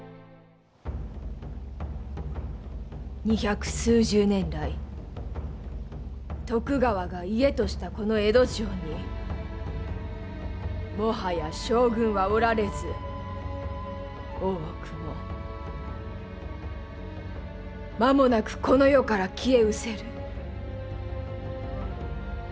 二百数十年来徳川が家としたこの江戸城にもはや将軍はおられず大奥も間もなくこの世から消えうせる。